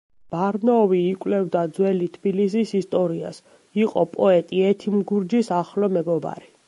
ბარნოვი იკვლევდა ძველი თბილისის ისტორიას, იყო პოეტ იეთიმ გურჯის ახლო მეგობარი.